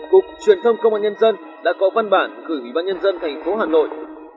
cục truyền thông công an nhân dân đã có văn bản gửi ubnd thành phố hà nội